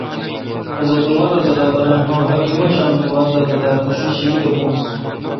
حضرت عمرؓہرنماشام نمازداپتاتسیشی تہ بونس۔